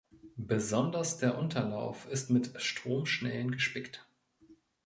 Besonders der Unterlauf ist mit Stromschnellen gespickt.